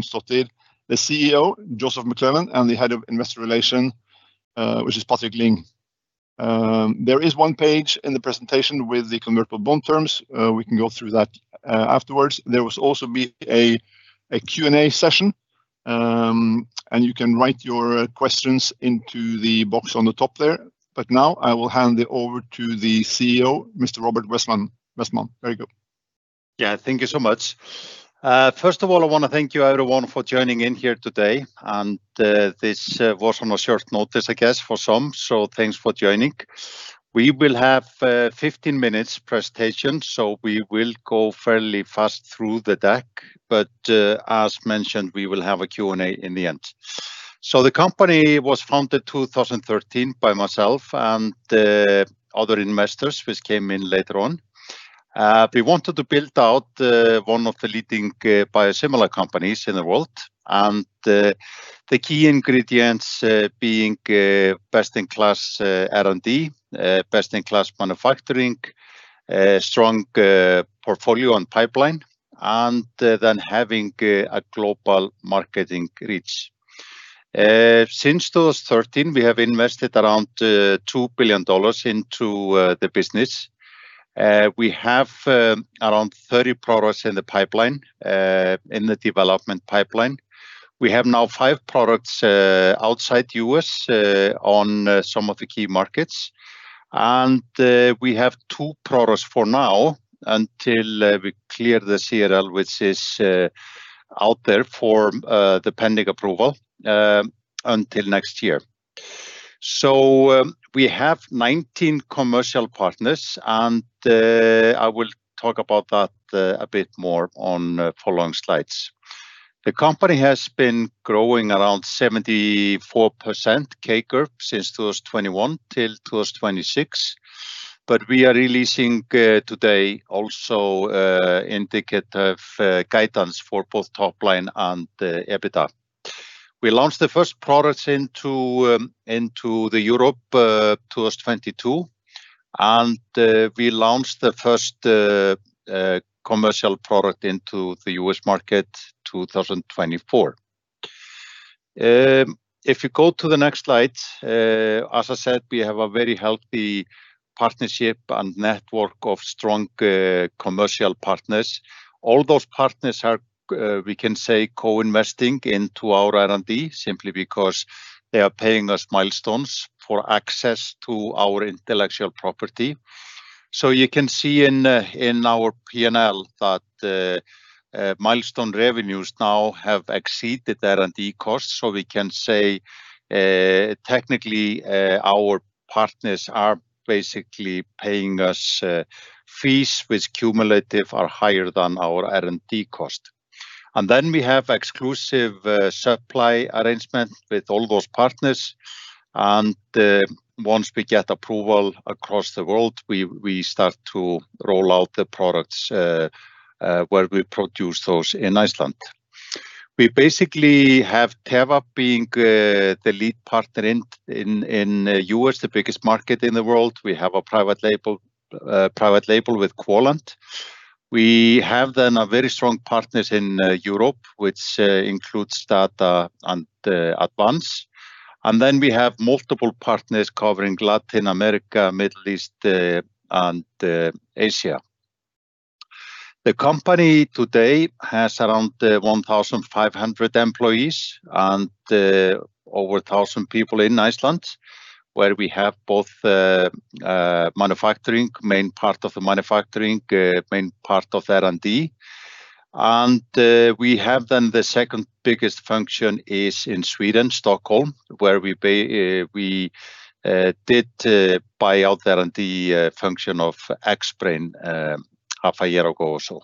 Don't stop there. The COO, Joseph McClellan, and the Head of Investor Relations, which is Patrik Ling. There is one page in the presentation with the convertible bond terms. We can go through that afterwards. There must also be a Q&A session, and you can write your questions into the box on the top there. But now I will hand it over to the CEO, Mr. Robert Wessman, Wessman, very good. Yeah, thank you so much. First of all, I want to thank you everyone for joining in here today, and this was on a short notice for some, so thanks for joining. We will have 15 minutes presentation, so we will go fairly fast through the deck, but as mentioned, we will have a Q&A in the end. So the company was founded in 2013 by myself and other investors which came in later on. We wanted to build out one of the leading biosimilar companies in the world, and the key ingredients being best in class R&D, best in class manufacturing, strong portfolio and pipeline, and then having a global marketing reach. Since 2013, we have invested around $2 billion into the business. We have around 30 products in the pipeline, in the development pipeline. We have now five products outside the U.S. on some of the key markets. We have two products for now until we clear the CRL, which is out there for the pending approval until next year. We have 19 commercial partners, and I will talk about that a bit more on following slides. The company has been growing around 74% CAGR since 2021 until 2026. But we are releasing today also indicative guidance for both top line and EBITDA. We launched the first products into Europe 2022. We launched the first commercial product into the U.S. market 2024. If you go to the next slide, as I said, we have a very healthy partnership and network of strong commercial partners. All those partners are, we can say, co-investing into our R&D simply because they are paying us milestones for access to our intellectual property. So you can see in our P&L that milestone revenues now have exceeded R&D costs. So we can say, technically, our partners are basically paying us fees which cumulative are higher than our R&D cost. And then we have exclusive supply arrangements with all those partners. And once we get approval across the world, we start to roll out the products, where we produce those in Iceland. We basically have Teva being the lead partner in the U.S., the biggest market in the world. We have a private label with Quallent. We have then a very strong partners in Europe, which includes STADA and Advanz. And then we have multiple partners covering Latin America, Middle East, and Asia. The company today has around 1,500 employees and over 1,000 people in Iceland, where we have both manufacturing, the main part of the manufacturing, the main part of R&D. We have then the second biggest function is in Sweden, Stockholm, where we did buy out the R&D function of Xbrane half a year ago or so.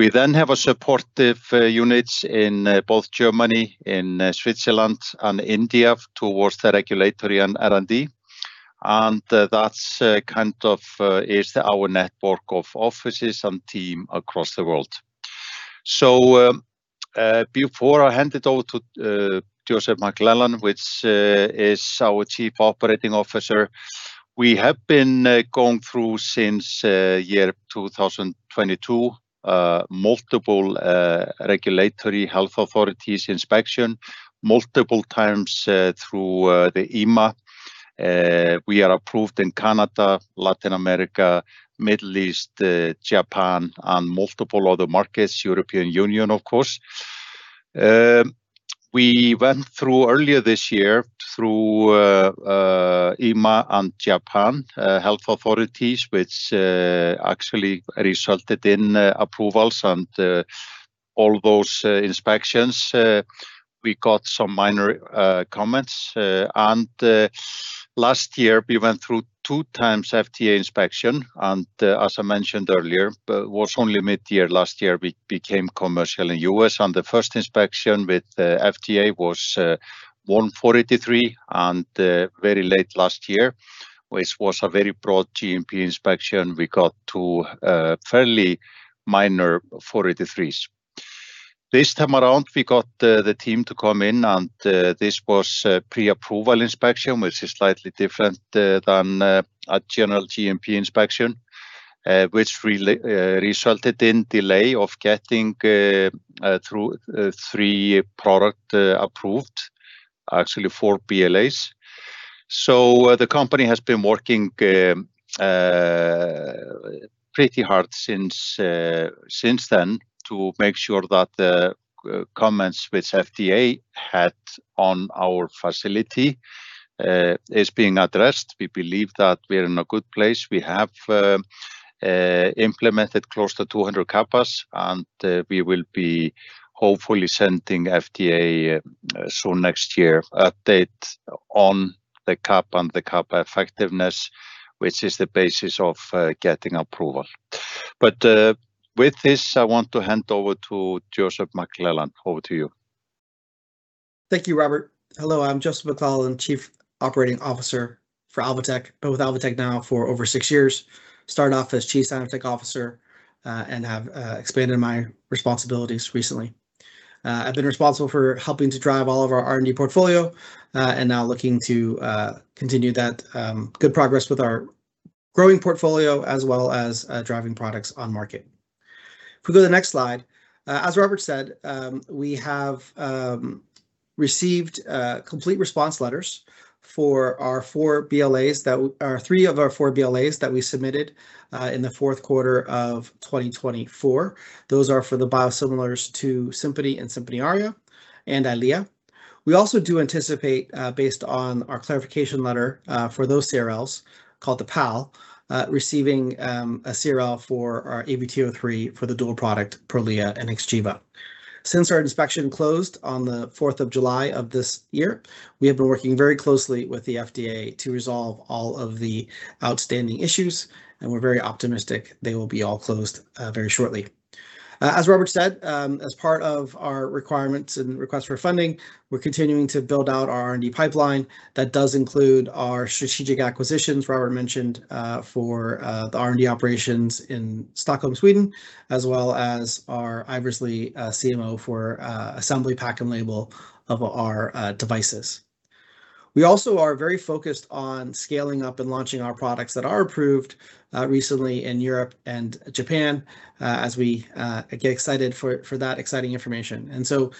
We then have supportive units in both Germany, in Switzerland, and India towards the regulatory and R&D. That's kind of our network of offices and team across the world. Before I hand it over to Joseph McClellan, which is our Chief Operating Officer, we have been going through since 2022 multiple regulatory health authorities inspections multiple times through the EMA. We are approved in Canada, Latin America, Middle East, Japan, and multiple other markets, European Union, of course. We went through earlier this year through EMA and Japan health authorities, which actually resulted in approvals and all those inspections. We got some minor comments. Last year we went through two times FDA inspections as I mentioned earlier, but it was only mid-year last year we became commercial in the U.S. The first inspection with FDA was one 483 and very late last year, which was a very broad GMP inspection. We got two fairly minor 483s. This time around, we got the team to come in, and this was a pre-approval inspection, which is slightly different than a general GMP inspection, which really resulted in delay of getting through three products approved, actually four BLAs. The company has been working pretty hard since then to make sure that the comments which FDA had on our facility is being addressed. We believe that we are in a good place. We have implemented close to 200 CAPAs, and we will be hopefully sending FDA soon next year updates on the CAPA and the CAPA effectiveness, which is the basis of getting approval. But with this, I want to hand over to Joseph McClellan. Over to you. Thank you, Robert. Hello, I'm Joseph McClellan, Chief Operating Officer for Alvotech. I've been with Alvotech now for over six years. I started off as Chief Scientific Officer, and have expanded my responsibilities recently. I've been responsible for helping to drive all of our R&D portfolio, and now looking to continue that good progress with our growing portfolio as well as driving products on market. If we go to the next slide, as Robert said, we have received complete response letters for three of our four BLAs that we submitted in the fourth quarter of 2024. Those are for the biosimilars to Simponi and Simponi Aria and Eylea. We also do anticipate, based on our clarification letter for those CRLs called the PAL, receiving a CRL for our ABT03 for the dual product Prolia and Xgeva. Since our inspection closed on the 4th of July of this year, we have been working very closely with the FDA to resolve all of the outstanding issues, and we're very optimistic they will be all closed very shortly. As Robert said, as part of our requirements and requests for funding, we're continuing to build out our R&D pipeline. That does include our strategic acquisitions, as Robert mentioned, for the R&D operations in Stockholm, Sweden, as well as our Ivers-Lee CMO for assembly, pack, and label of our devices. We also are very focused on scaling up and launching our products that are approved recently in Europe and Japan, as we get excited for that exciting information. And so,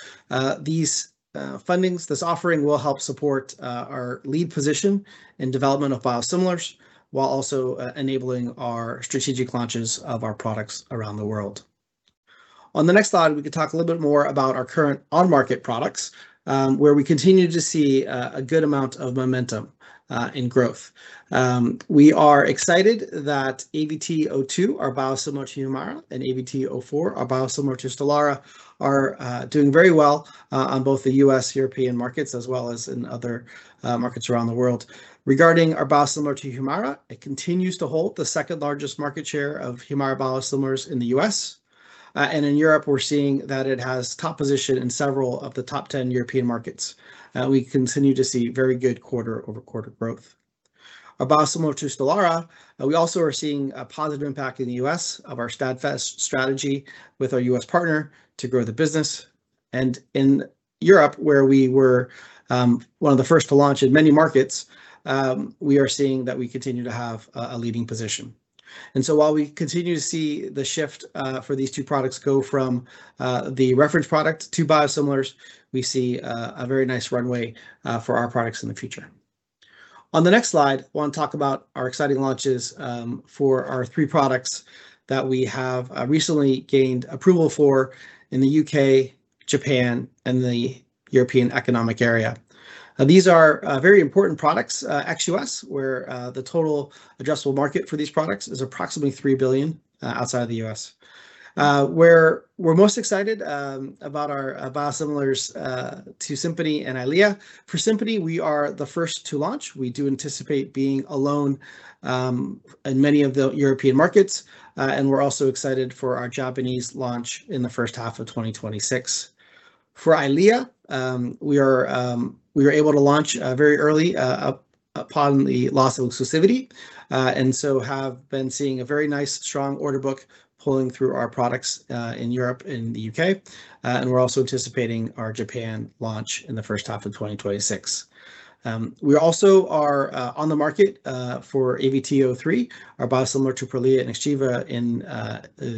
these fundings, this offering will help support our lead position in development of biosimilars while also enabling our strategic launches of our products around the world. On the next slide, we can talk a little bit more about our current on-market products, where we continue to see a good amount of momentum in growth. We are excited that ABT02, our biosimilar to Humira, and ABT04, our biosimilar to Stelara, are doing very well on both the U.S., European markets, as well as in other markets around the world. Regarding our biosimilar to Humira, it continues to hold the second largest market share of Humira biosimilars in the U.S., and in Europe, we're seeing that it has top position in several of the top 10 European markets. We continue to see very good quarter-over-quarter growth. Our biosimilar to Stelara, we also are seeing a positive impact in the U.S. of our STAD fast strategy with our U.S. partner to grow the business. In Europe, where we were one of the first to launch in many markets, we are seeing that we continue to have a leading position. So while we continue to see the shift for these two products go from the reference product to biosimilars, we see a very nice runway for our products in the future. On the next slide, I want to talk about our exciting launches for our three products that we have recently gained approval for in the U.K., Japan, and the European Economic Area. These are very important products, ex-U.S., where the total addressable market for these products is approximately $3 billion outside of the U.S., where we're most excited about our biosimilars to Simponi and Eylea. For Simponi, we are the first to launch. We do anticipate being alone in many of the European markets. And we're also excited for our Japanese launch in the first half of 2026. For Eylea, we are, we were able to launch very early upon the loss of exclusivity, and so have been seeing a very nice, strong order book pulling through our products in Europe and the U.K. And we're also anticipating our Japan launch in the first half of 2026. We also are on the market for ABT03, our biosimilar to Prolia and Xgeva in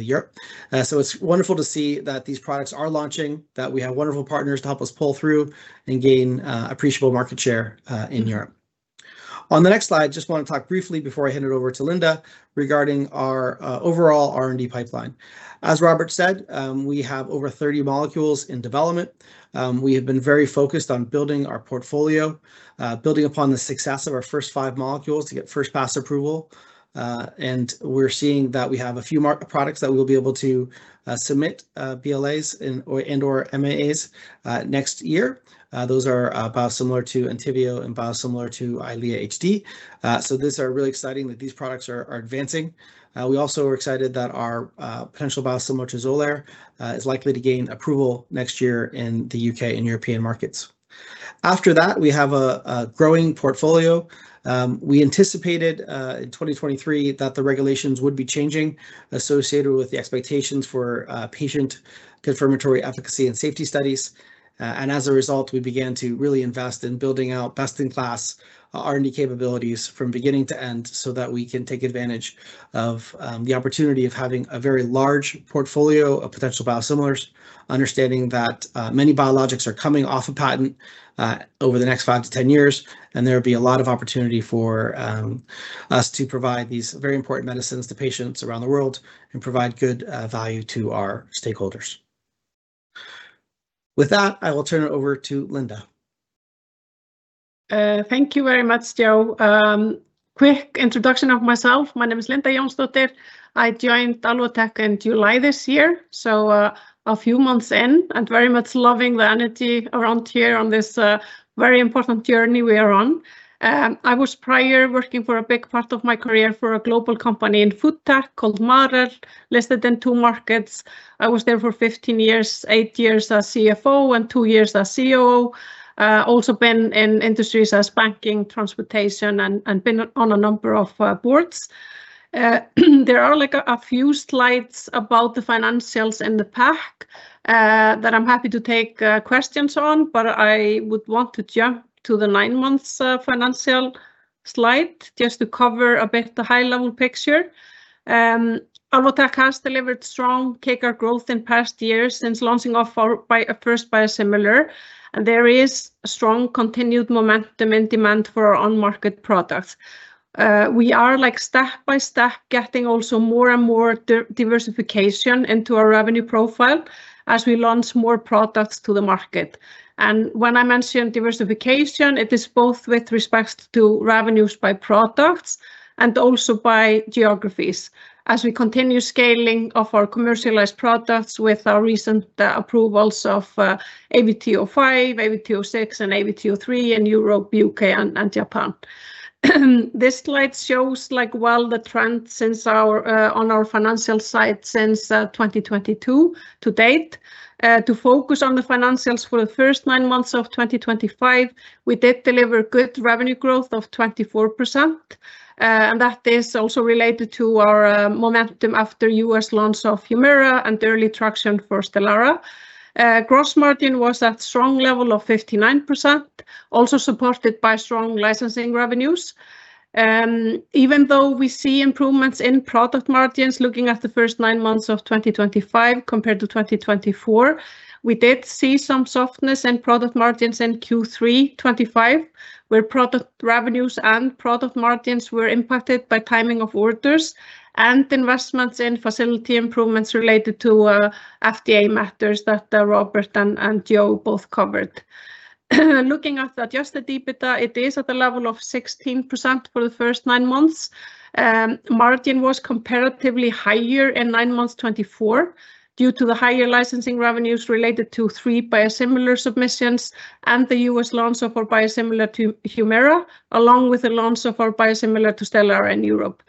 Europe. So it's wonderful to see that these products are launching, that we have wonderful partners to help us pull through and gain appreciable market share in Europe. On the next slide, I just want to talk briefly before I hand it over to Linda regarding our overall R&D pipeline. As Robert said, we have over 30 molecules in development. We have been very focused on building our portfolio, building upon the success of our first five molecules to get first pass approval. And we're seeing that we have a few products that we'll be able to submit BLAs and/or MAAs next year. Those are biosimilar to Entyvio and biosimilar to Eylea HD. So these are really exciting that these products are advancing. We also are excited that our potential biosimilar to Xolair is likely to gain approval next year in the U.K. and European markets. After that, we have a growing portfolio. We anticipated in 2023 that the regulations would be changing associated with the expectations for patient confirmatory efficacy and safety studies. And as a result, we began to really invest in building out best-in-class R&D capabilities from beginning to end so that we can take advantage of the opportunity of having a very large portfolio of potential biosimilars, understanding that many biologics are coming off of patent over the next five to 10 years, and there will be a lot of opportunity for us to provide these very important medicines to patients around the world and provide good value to our stakeholders. With that, I will turn it over to Linda. Thank you very much, Joe. A quick introduction of myself. My name is Linda Jónsdóttir. I joined Alvotech in July this year, so, a few months in, and very much loving the energy around here on this, very important journey we are on. I was prior working for a big part of my career for a global company in food tech called Marel, lesser than two markets. I was there for 15 years, eight years as CFO and two years as COO. Also been in industries as banking, transportation, and been on a number of boards. There are like a few slides about the financials in the pack, that I'm happy to take questions on, but I would want to jump to the nine months financial slide just to cover a bit the high-level picture. Alvotech has delivered strong quicker growth in past years since launching of our first biosimilar, and there is strong continued momentum and demand for our on-market products. We are like step by step getting also more and more diversification into our revenue profile as we launch more products to the market, and when I mentioned diversification, it is both with respect to revenues by products and also by geographies as we continue scaling of our commercialized products with our recent approvals of ABT05, ABT06, and ABT03 in Europe, U.K., and Japan. This slide shows like well the trend on our financial side since 2022 to date. To focus on the financials for the first nine months of 2025, we did deliver good revenue growth of 24%, and that is also related to our momentum after U.S. launch of Humira and early traction for Stelara. Gross margin was at strong level of 59%, also supported by strong licensing revenues. Even though we see improvements in product margins looking at the first nine months of 2025 compared to 2024, we did see some softness in product margins in Q3 2025, where product revenues and product margins were impacted by timing of orders and investments in facility improvements related to FDA matters that Robert and Joe both covered. Looking at adjusted EBITDA, it is at the level of 16% for the first nine months. Margin was comparatively higher in nine months 2024 due to the higher licensing revenues related to three biosimilar submissions and the U.S. launch of our biosimilar to Humira, along with the launch of our biosimilar to Stelara in Europe.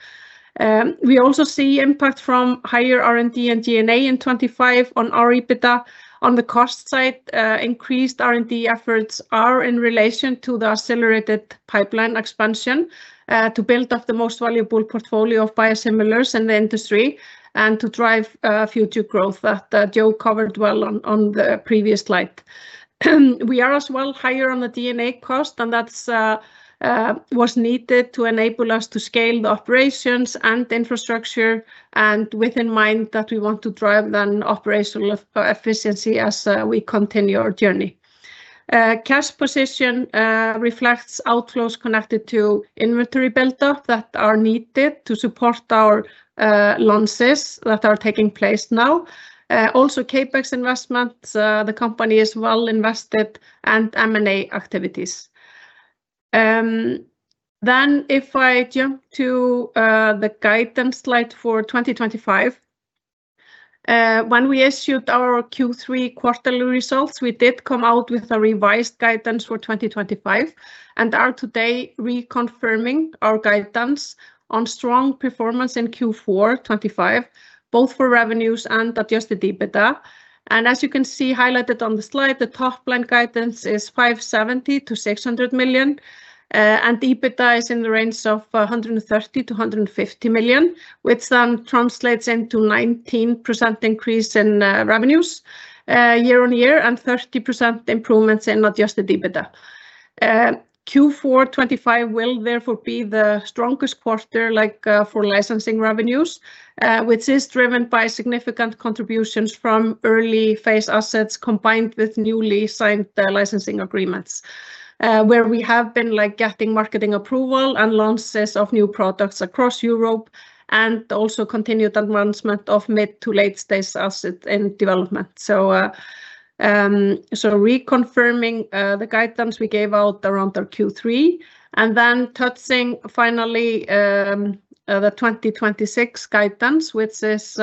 We also see impact from higher R&D and G&A in 2025 on our EBITDA. On the cost side, increased R&D efforts are in relation to the accelerated pipeline expansion, to build up the most valuable portfolio of biosimilars in the industry and to drive future growth that Joe covered well on the previous slide. We are as well higher on the SG&A cost, and that was needed to enable us to scale the operations and the infrastructure and within mind that we want to drive the operational efficiency as we continue our journey. Cash position reflects outflows connected to inventory build up that are needed to support our launches that are taking place now. Also CapEx investments, the company is well invested and M&A activities. Then if I jump to the guidance slide for 2025, when we issued our Q3 quarterly results, we did come out with a revised guidance for 2025 and are today reconfirming our guidance on strong performance in Q4 2025, both for revenues and adjusted EBITDA. And as you can see highlighted on the slide, the top line guidance is $570 million to $600 million, and EBITDA is in the range of $130 million to $150 million, which then translates into 19% increase in revenues, year-on-year and 30% improvements in adjusted EBITDA. Q4 2025 will therefore be the strongest quarter, like, for licensing revenues, which is driven by significant contributions from early phase assets combined with newly signed licensing agreements, where we have been like getting marketing approval and launches of new products across Europe and also continued advancement of mid to late stage asset in development. So, reconfirming the guidance we gave out around our Q3 and then touching finally, the 2026 guidance, which is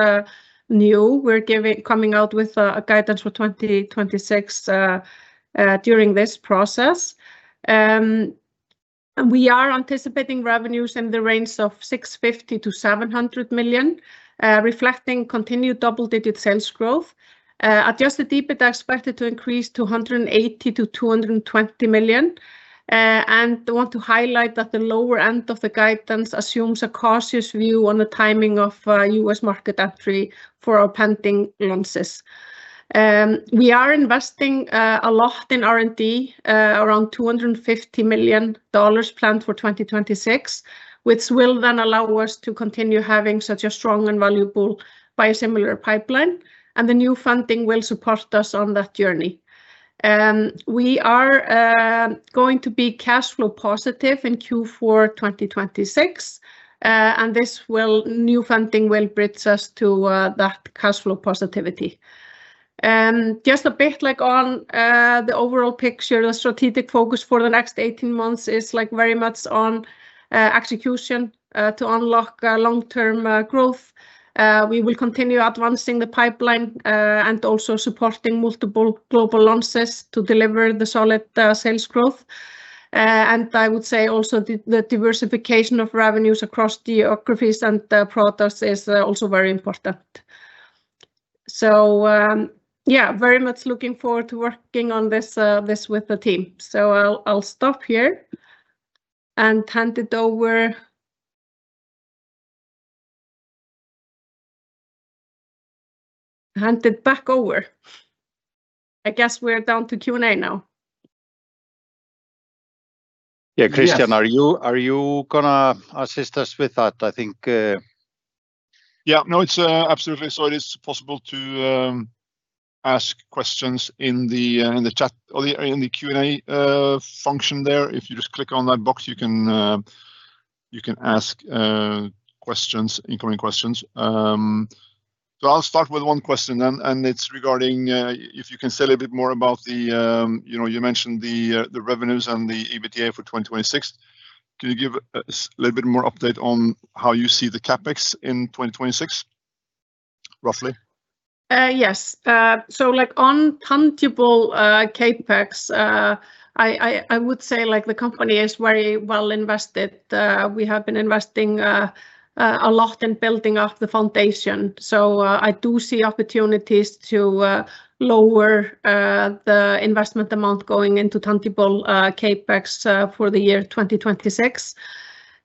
new. We're giving, coming out with a guidance for 2026, during this process. We are anticipating revenues in the range of $650 million to $700 million, reflecting continued double-digit sales growth. Adjusted EBITDA expected to increase to $180 million to $220 million. I want to highlight that the lower end of the guidance assumes a cautious view on the timing of U.S. market entry for our pending launches. We are investing a lot in R&D, around $250 million planned for 2026, which will then allow us to continue having such a strong and valuable biosimilar pipeline, and the new funding will support us on that journey. We are going to be cash flow positive in Q4 2026, and this new funding will bridge us to that cash flow positivity. Just a bit like on the overall picture, the strategic focus for the next 18 months is like very much on execution to unlock long-term growth. We will continue advancing the pipeline, and also supporting multiple global launches to deliver the solid sales growth. And I would say also the diversification of revenues across geographies and products is also very important. So, yeah, very much looking forward to working on this with the team. So I'll stop here and hand it over, hand it back over. We're down to Q&A now. Yeah, Christian, are you, are you going to assist us with that, I think? Yeah, no, it's absolutely. So it is possible to ask questions in the, in the chat or the, in the Q&A function there. If you just click on that box, you can, you can ask questions, incoming questions. So I'll start with one question then, and it's regarding if you can say a little bit more about the, you know, you mentioned the, the revenues and the EBITDA for 2026. Can you give a little bit more update on how you see the CapEx in 2026, roughly? Yes, so like on tangible, CapEx, I would say like the company is very well invested. We have been investing a lot in building up the foundation, so I do see opportunities to lower the investment amount going into tangible CapEx for the year 2026,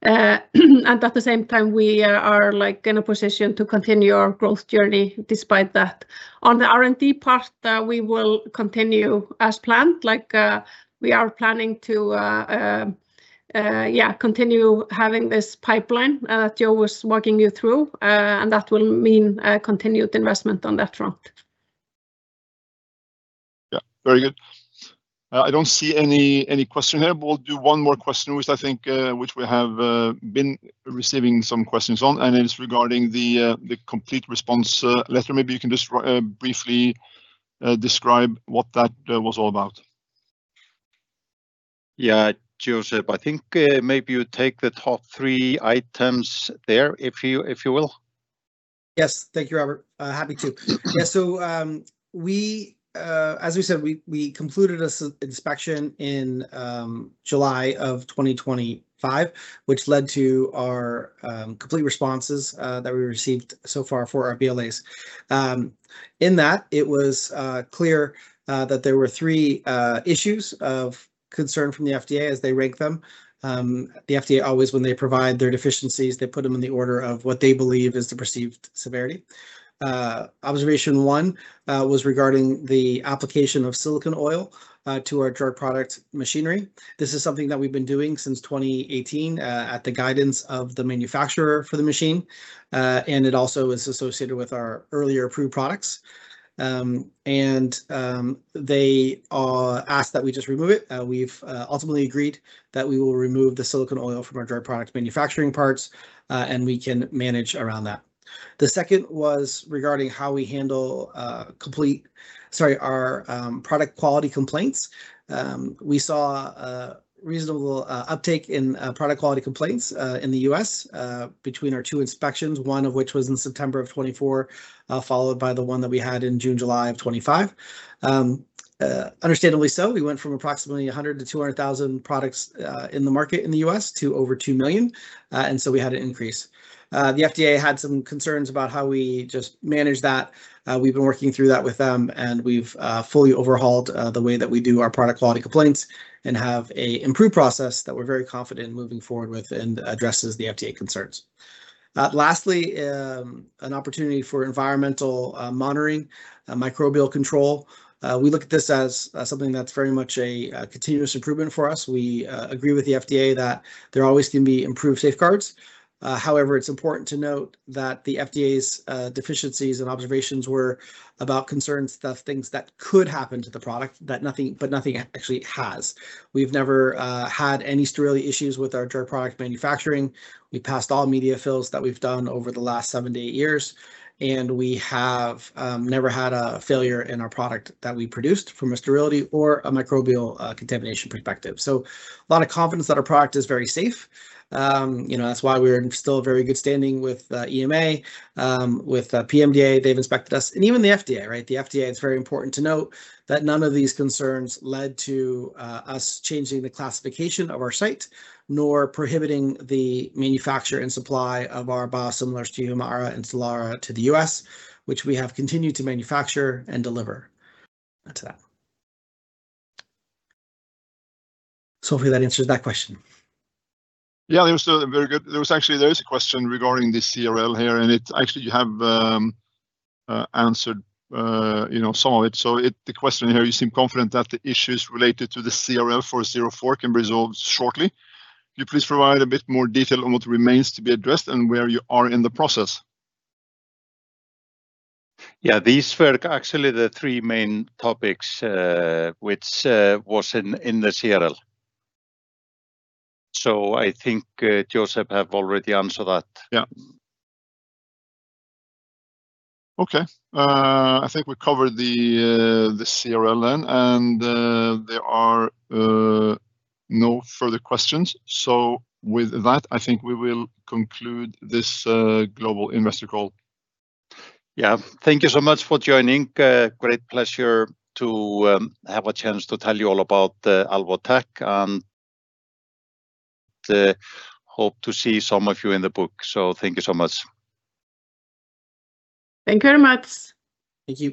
and at the same time, we are like in a position to continue our growth journey despite that. On the R&D part, we will continue as planned. Like, we are planning to, yeah, continue having this pipeline that Joe was walking you through, and that will mean continued investment on that front. Yeah, very good. I don't see any question here, but we'll do one more question, which I think we have been receiving some questions on, and it's regarding the complete response letter. Maybe you can just briefly describe what that was all about. Yeah, Joseph, I think maybe you take the top three items there, if you will. Yes, thank you, Robert, happy to. Yeah, so, we, as we said, we, we concluded this inspection in July of 2025, which led to our complete responses that we received so far for our BLAs. In that, it was clear that there were three issues of concern from the FDA as they rank them. The FDA always, when they provide their deficiencies, they put them in the order of what they believe is the perceived severity. Observation one was regarding the application of silicone oil to our drug product machinery. This is something that we've been doing since 2018, at the guidance of the manufacturer for the machine, and it also is associated with our earlier approved products, and they asked that we just remove it. We've ultimately agreed that we will remove the silicone oil from our drug product manufacturing parts, and we can manage around that. The second was regarding how we handle our product quality complaints. We saw reasonable uptake in product quality complaints in the U.S. between our two inspections, one of which was in September of 2024, followed by the one that we had in June, July of 2025. Understandably so, we went from approximately 100 to 200,000 products in the market in the U.S. to over 2 million. And so we had an increase. The FDA had some concerns about how we just manage that. We've been working through that with them, and we've fully overhauled the way that we do our product quality complaints and have an improved process that we're very confident in moving forward with and addresses the FDA concerns. Lastly, an opportunity for environmental monitoring, microbial control. We look at this as something that's very much a continuous improvement for us. We agree with the FDA that there always can be improved safeguards. However, it's important to note that the FDA's deficiencies and observations were about concerns that things that could happen to the product that nothing, but nothing actually has. We've never had any sterility issues with our drug product manufacturing. We passed all media fills that we've done over the last seven to eight years, and we have never had a failure in our product that we produced from a sterility or a microbial contamination perspective. So a lot of confidence that our product is very safe. You know, that's why we're still in very good standing with EMA, with PMDA. They've inspected us, and even the FDA, right? The FDA, it's very important to note that none of these concerns led to us changing the classification of our site, nor prohibiting the manufacture and supply of our biosimilars to Humira and Stelara to the U.S., which we have continued to manufacture and deliver. That's that. So we answered that question. Yeah, you answered them, very good. There is actually a question regarding the CRL here, and actually you have answered, you know, some of it. So the question here, you seem confident that the issues related to the CRL for 04 can be resolved shortly. Could you please provide a bit more detail on what remains to be addressed and where you are in the process? Yeah, these were actually the three main topics, which was in the CRL. So I think, Joseph have already answered that. Yeah. Okay. I think we covered the CRL then, and there are no further questions. So with that, I think we will conclude this global investor call. Yeah, thank you so much for joining. Great pleasure to have a chance to tell you all about Alvotech, and hope to see some of you in the booth. So thank you so much. Thank you very much. Thank you.